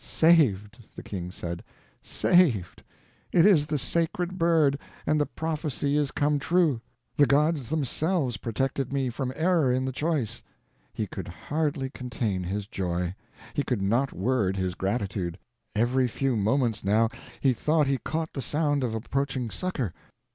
"Saved!" the king said. "Saved! It is the sacred bird, and the prophecy is come true. The gods themselves protected me from error in the choice." He could hardly contain his joy; he could not word his gratitude. Every few moments now he thought he caught the sound of approaching succor.